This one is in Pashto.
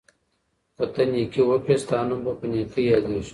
که ته نېکي وکړې، ستا نوم به په نېکۍ یادیږي.